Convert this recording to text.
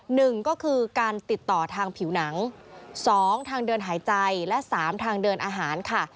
หนึ่งก็คือการติดต่อทางผิวหนังสองทางเดินหายใจและสามทางเดินอาหารค่ะ